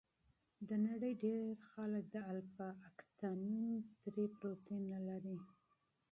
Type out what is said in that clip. د نړۍ ډېر خلک د الفا اکتینین درې پروټین نه لري.